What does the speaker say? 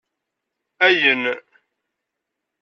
Ayen